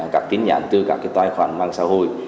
các tin nhắn từ các tài khoản mạng xã hội